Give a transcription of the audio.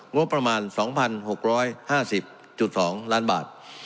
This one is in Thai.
งบประมาณ๒๖๕๐๒ล้านบาท